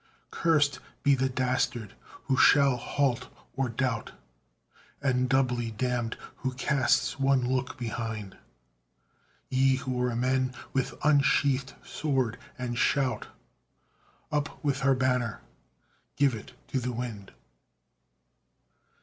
Curst be the dastard who shall halt or doubt! And doubly damned who casts one look behind! Ye who are men! with unsheathed sword, and shout, Up with her banner! give it to the wind!